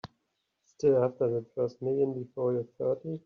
Still after that first million before you're thirty.